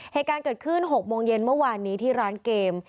เหตุการณ์เกิดขึ้น๖โมงเย็นเมื่อวานนี้ที่ร้านเกม